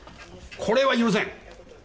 これは許せん！